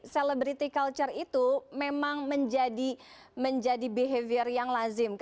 celebrity culture itu memang menjadi behavior yang lazim